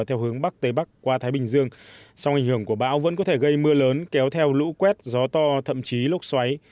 theo hướng bắc tây bắc qua thái bình dương song ảnh hưởng của bão vẫn có thể gây mưa lớn kéo theo lũ quét gió to thậm chí lốc xoáy